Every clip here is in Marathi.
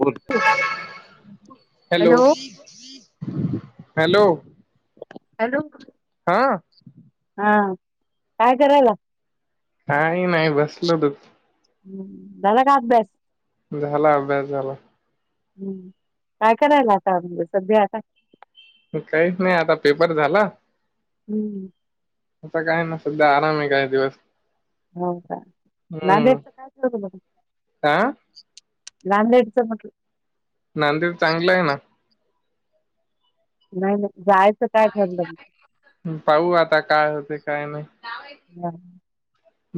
बोल. Hello hello. हॅलो. हा. हा काय करायला? काही नाही बसलेलो. हम्म झाला का अभ्यास? झाला अभ्यास झाला. हम्म काय करायला आता म्हणजे सध्या आता. काहीच नाही आता पेपर झाला हम्म. आता काय ना सध्या आराम आहे काय दिवस. हो का हम्म नामदेवचा काय. हा [unintelligible] लांंदेडचं म्हटल नामदेव चांगलं हे ना. नाही नाही जायच. पाहू आता काय होते काय नाही. हा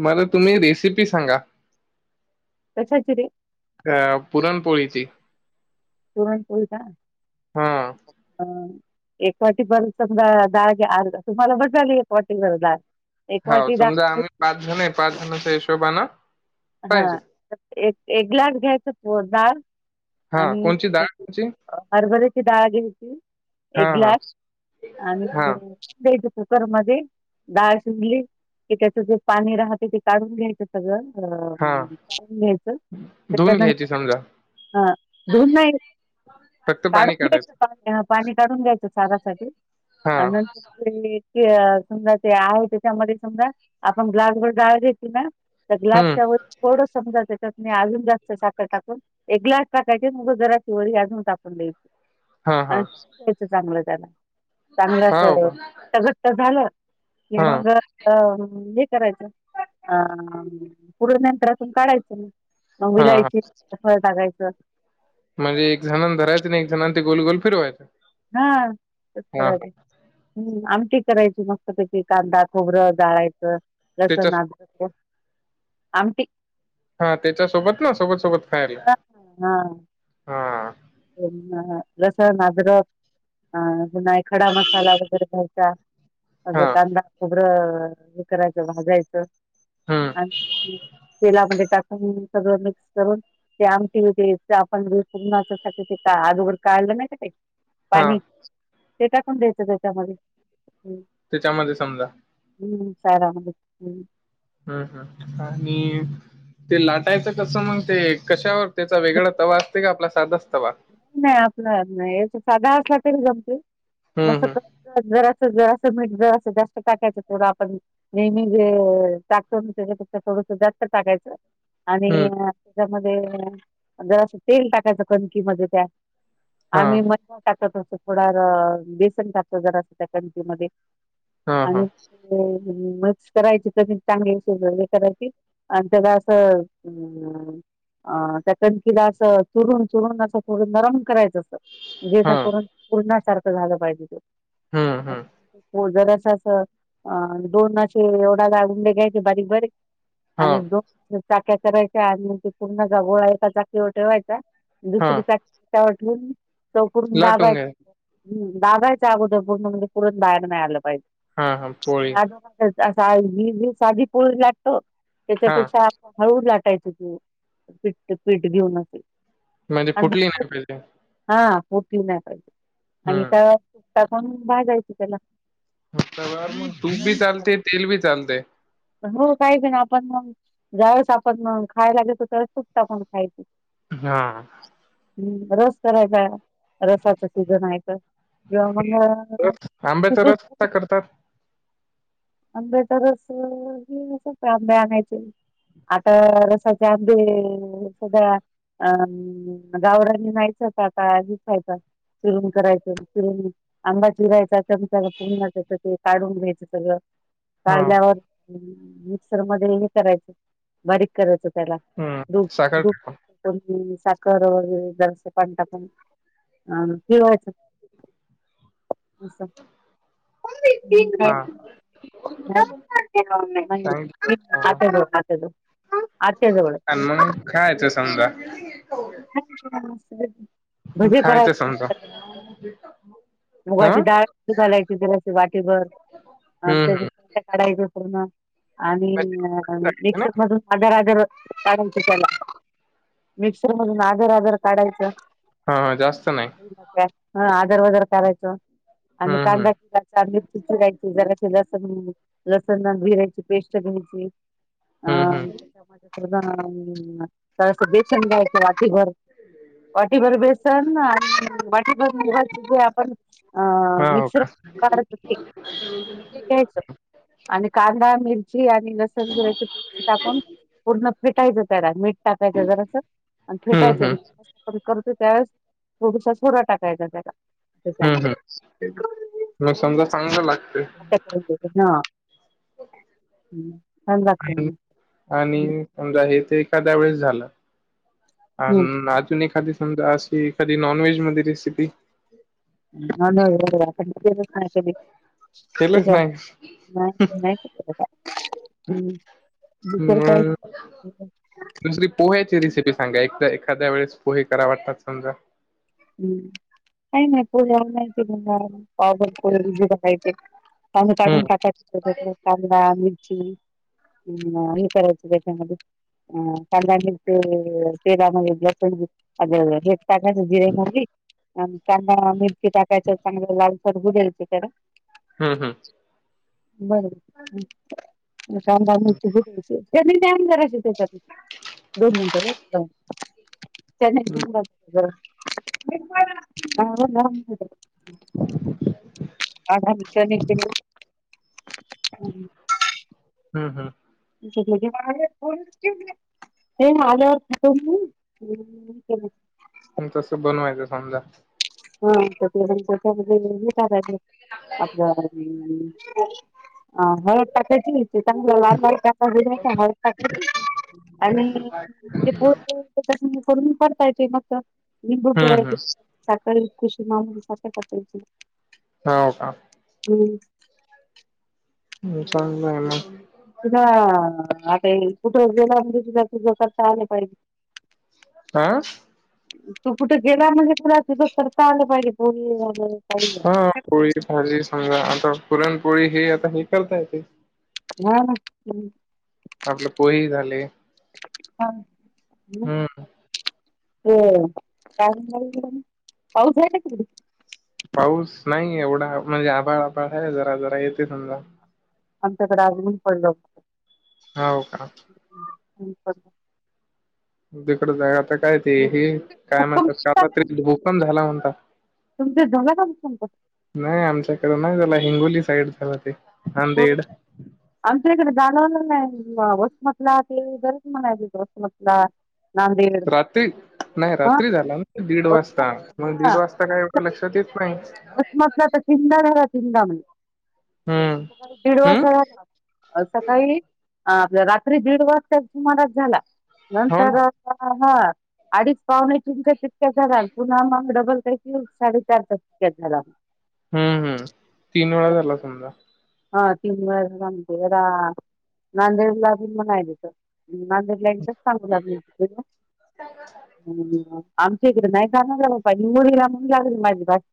मला तुम्ही रेसिपी सांगा. कशाची रे अ पुरणपोळीची. पुरणपोळी का? हा एक वाटी पण समजा [unintelligible] झाली एक वाटी दार. हाव समजा आम्ही पाच जण आहे पाच जणाचा हिशाबाना हा एक एक ग्लास घ्यायच तूअर दाळ हा आणि कोणची डाळ कोणची हरभऱ्याची डाळ घ्याची हा एक हा ग्लास आणि हा दही घेतात. कुकरमध्ये डाळ शिजली की त्याच जे पाणी राहते ते काढून घ्यायचं सगळं [unintelligible] हा काढून धुवून त्याच्यानंतर घ्यायची समजा अ दोन नाही फक्त पाणी काढून घ्यायचं काढायचं. पाणी काढून घ्यायचं चारासाठी हा आणि नंतर ते ते अ समजा ते आहे त्याच्यामध्ये समजा आपण ग्लासभर डाळ घेते ना तर ग्लास हम्म त्यावर थोडं सा आणि जर त्याच्यात मी आजून जास्त साखर टाकून एक ग्लास टाकायचे मग [unintelligible] व अजून टाकून द्यायची. हा हा आणि शिकायचा चांगलं त्याला. चांगलं हा हो असं का घट्ट झालं कि हा मग अ हे करायचं अम पूर्ण [unintelligible] काढायचं म. म हा हा इलायची त्याचवर टाकायचे. म्हणजे एक जणां धरायचं आणि एक जणां ते गोलगोल फिरवायचं. हा तसं हा हा करायचं. हम्म आमटी करायची मस्त त्याकी कांदा खोबरं जाळायचं त्याच्या लसन आ आमटी हा त्याच्या सोबत ना सोबत सोबत खायला हा हा. त्यांना लसन, अदरक अ [unintelligible] खडा मसाला वगैरे घ्यायचा अगं हा कांदा खोबरं हे करायचं भाजायचं हम्म आणि तेलामध्ये टाक कुन सगळं मिक्स करून ते आमटी होती त्या आपण [unintelligible] टाकायचे का अगोदर काढलं नाही का ते हा पाणी. ते टकून द्यायचं त्याच्यामध्ये हम्म. त्याच्या मले समला. हम्म सारा आमले हम्म. हम्म हम्म आणि ते लाटायचं कसं मग ते कशावर त्याचा वेगळा तवा असते का आपला सादच तवा? नाही असं नाही साधा असला तरी जमते म हम्म सका जरा सा जरा सा मीठ जर सा जास्त टाकायचं थोडं आपण. नेहमी जे टाकतो ना त्याच्यापेक्षा थोडसा जास्त टाकायचं. आणि हम्म हम्म आ त्यामध्ये जर असं तेल टाकायचं कणकी मध्ये त्या. हा आम्ही म [inaudible] टाकत असं थोडं र बेसन टाकतं जरा असं त्या कणकी मधे हा हा आणि अ मिक्स करायची [unintelligible] चांगली अशी हे करायची आणि त्याला असं अ त्या कणकिला असं चुरून चुरून असं थोडं नरम करायचं असतं हा जेणेकरून पुरण्यासारखं झालं पाहिजे ते. हम्म अ हम्म हो जरं असं अ दोन असे [unintelligible] घ्यायचे बारीक-बारीक. हा आणि दोन चाक्या करायच्या आणि ते पूर्ण जा गोळा एका चाकीवर ठेवायचा हा दुसरी चाकी [unintelligible] लाटून दाबाय घ्या हम्म दाबायचा अगोदर पूर्ण म्हणजे पुरण बाहेर नाही आलं पाहिजे. हा हा पोळी असा आ [unintelligible] पो लागतो हा त्याच्यापेक्षा हळू लाटायच तू पीठ पीठ घेऊन असे. म्हणजे आणि फुटली नाही भाजायची पाहिजे. हा फुटली नाही पाहिजे आणि हम्म त्या त्या आपण भाजायची त्याला. हप्ता भर मग, तुपबी चालते तेलबी चालते. हो काही प ना आपण मग ज्यावेळेस आपण मग खायला घेतो त्यावेळेस कुट टाकून खायची हां हम्म रस करायचा रसाच सीझन आहे तर किंवा मगृ रस आंब्याचा रस कसा करतात आंबे चारस तरच ह अस का आंबे आणायचे आता रसाचे आंबे हे सध्या अ गावरानी नाहीयच आता खायचं चिरून करायचं रून आंबा चिरायचा चमचाला पूर्चं ते काढून घ्यायचं सगळं हा काढल्यावर मिक्सर मध्ये हे करायचं बारीक करायचं त्याला. हम्म दो साखर दुप टाकून आणखीन साखर वैगरे जरास पाणी टाकून अ फिरवायचं असं मग काय हा चांगली [inaudible] आत्याजवळ. आणि मग खायचं समदया मग भजी खायचं करायचं समजा नसतं नई तर हा मुगाची डाळ घालायची दिलाशी वाटीभर आणि हम्म त्या काढायच पण आणि नअप हम्म मिलशे मध्यि आजार आज कारण की त्याला मिक्सर मधून आदर वादर काढायचं हा हा जास्त नाही ग्यास ह आदार वजर करायच आणि हम्म हम्म काणदे चांदी चिरायची जरा लसण लसण भिरायची पेस्ट घ्यायची अ हम्म हम्म त्याच्यामध्ये बेचंडायच वाटी भर वाटीभर बेसन आणि मुगाची जे आपण अ हो मिक्सर का काढत हो ते ते घ्यायचं आणि कांदा, मिरची आणि लसण जिऱ्याचं पेस्ट टाकून पूर्ण फिटायचं त्यारा मीठ टाकायचं जरासं आणि हम्म हम्म फेटायचं [unintelligible] करतो त्यावेळेस थोडसा सोडा टाकायचा त्याला. तसं हम्म आणि हम्म मग समजा चांगलं लागते आता हा हम्म छान लागतं मग हम्म. आणि समजा येथे एखाद्या वेळेस झाला आन अजून एखादी समजा असं ती एखादी नॉन व्हेज मध्ये रेसिपी [inaudible] केलंच नाहीस नाही नाही तसं तर काय, हम्म दुसर काय मग हे पण दुसरी पोह्याची रेसिपी सांगा एकदा एखाद्या वळेस पोहे करा वाटतात समजा हम्म काय नई पुण्यावर हाय ती म्हणणार पाव भरपूर करायचे पाव काढून हम्म टाकायचे त्याज्यातल पाहून आणि चिमणी आणि हे करायच त्याच्यामध्ये कांदा आणि ते तेलामध्ये हे असते की ते टाकायचं जिरे मोहरी आणि कांदा मिरची टाकायच चांगलं फोडगु द्यायची हे ना हम्म हम्म बर बर मग काम झालं तर दे म्हंजे त्यांनी नम करायचे त्याच्यात दोन मिनटं होऊसतवर चणे हम्म धून घाल जरा [unintelligible] [unintelligible] हम्म हम्म. तुझं तर गे भागे फोनचं ठेवली हे माझं आ खातो मी हे म्हणून केलंय हम्म तसं बनवायचं समला. हा तर ते [unintelligible] त्याच्यामध्ये हे दाबायचा आपलं अ हो पाकेची. [unintelligible] [unintelligible] करून पडता येत मग लिंबू हम्म पळाचे. हम्म [unintelligible] हाव का? हम्म. हे छान लागला. तिला आता ही कुठे गेला म्हणजे तुला तुझा करता आलं पाहिजे. आं तू कुठे गेला म्हणलं तुला [unintelligible] करता आलं पाहिजे बोललय मी. हा पोळी भाजी समजा आता पुरणपोळी हे आता हे करता येत. [unintelligible] आपलं पोहे झाले. हा म हम्म हो [unintelligible] काय पाऊस आहे का तिकडे? पाऊस नाही एवढा म्हणजे आभाळ आभाळ आहे जरा जरा येते समजा. आमच्याकडे अजून ही पडलं. [inaudible] हाव का? [unintelligible] तिकडं जाय आता काय ते हे काय खूप कमी म्हणतात का आता तरी भूकम झाला म्हणता. तुमचं [unintelligible] पण संपत. नाही आमच्याकडें नाही झाला हिंगोली साईड झालं ते. हो. नांदेड आमच्या इकडे जाणवलं नाही वसमतला ते गरज म्हणाय वसमतला. नांदेड रात्री नाही ह रात्री झाला ना दीड वाजता मग दीड वाजता काय एवढं लक्षात येत नाही. [unintelligible] चिंडाळला तिंदा म्हणे. हम्म. दीड हम्म वाजता का अ सकाळी आपल्या रात्री दीड वाजता सुमारास झाला हो नंतर ना हा अडीच पावणे तीनच्या तितक्या झाला पुन्हा मग डबल काय साडेचार टक्क्या झाला. हम्म हम्म तीन वेळा झाला समजा. हा तीन वेळा झाला [unintelligible] नांदेडला पण म्हणालाय त नांदेड नंतर सांगू लागली. [unintelligible] हम्म आमच्या इकडे नाही झालं [unintelligible] हिंगोळीला म्हणून. [unintelligible]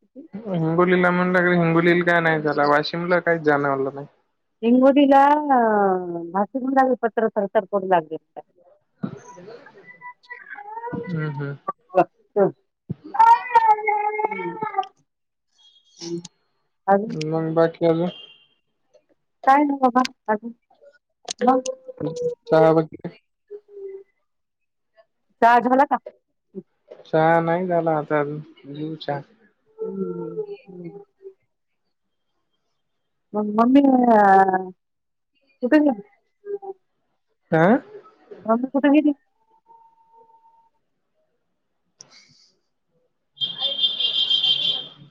हिंगोलीला म्हणलं क हिंगोलीला काय नाही झाला वाशिमला काही जाणवालं नाही. [unintelligible] हम्म हम्म. [unintelligible] अजून मंग बाकीअजुन. काय न बाबा असच मग चहा बाकी काय चहा झाला का? चहा नाही झाला आता अजून, घेईन चहा हम्म हम्म मग मम्मी आ कुठे गेली? हा. राहुलला फोटो घेते.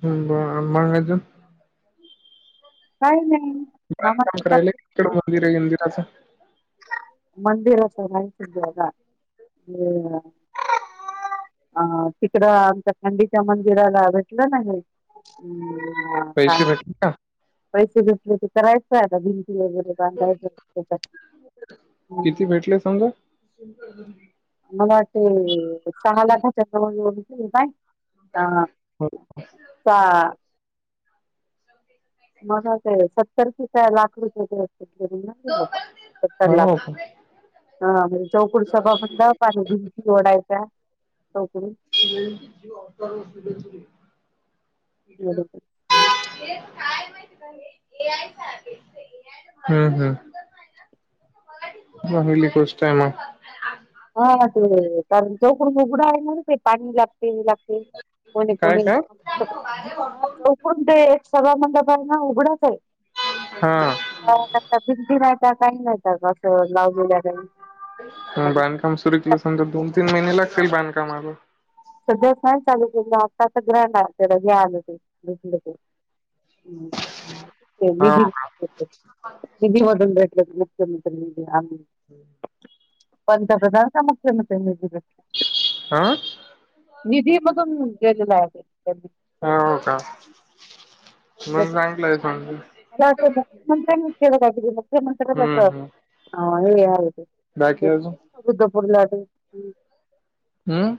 हम्म ब मग अजून. काय नाय [unintelligible] काम करायला तिकडं [unintelligible] आहे मंदिराचं. मंदिर अस नयस अ अ तिकड आमच्या खंडीच्या मंदिराला भेटलं नाही. का पैसे भेटले का पैसे घेतले ते करायचंय आता भिंती वगैरे. बांधायचं त्याच्यात किती भेटले समजा. आम वाटठी सहालखा चंद्रभदची काई ह. हो का. मग ते सत्तर क का लाख रुपये अस. सत्तर लाख हो का म्हणजे चौकुड सभाखंडा. पाणी भिची ओढायच्या टोकरी. ज अवार व सु. बरोबर हे काय माहिती ए आय. हम्म हम्म चांगली गोष्ट आहे मग हा ते कारण चौकडून उघडा आहेणार ते पाणी ला. तीन लागतील कोणे काय कोणी. काय चौकण ते एक सभामंडप आहे ना उघडाच आहे. हा भदी राय काही नाही कस लाव दिल्या का. बांधकाम सुरू केलं समजा दोन तीन महिने लागतील बांधकामाला. सध्याच नाही चालू केलं आता आता ग्रँड आ त्याे आलं ते भ ते. हम्म चालतंय हो की विधी का विधीवून मुख्यमंत्री आम. हम्म पंतप्रधानचा मुख्यमंत्री मी तिथ हा? निधी मधून गेलेला आहे त्यांनी. हो हो का म्हून सांगितलंय सज. मला अस मुख्यमंत्र्यांनी ठव मुख्यमंत्र्यांला हम्म अस हम्म हे. अरे ते बाकी आजून. आता धपुरला अडे ते हम्म.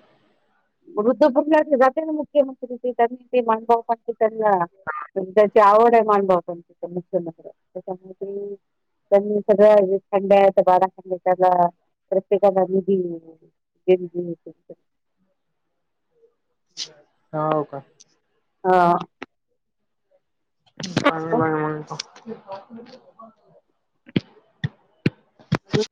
वृद्ध बुटला जाते ना मुख्यमंत्री ते त्यांनी ते मानव पण त्यांना आवड आहे मानभवत मु्य नगर त्याच्यामुळे. सगळं थंड बाराड त्याला प्रत्येकाला नि ते बी केलं कसं तर हा हो का. हा. आम्ही बागेमध्ये येताव हम्म